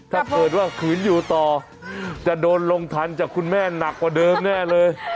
ถ้าเกิดว่าขืนอยู่ต่อจะโดนลงทันจากคุณแม่หนักกว่าเดิมแน่เลย